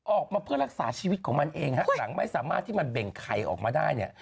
ออกมาเพื่อรักษาชีวิตของมันเองฮะหลังไม่สามารถที่มันเบ่งไข่ออกมาได้เนี่ย